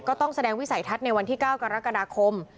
แสดงวิสัยทัศน์ในวันที่๙กรกฎาคม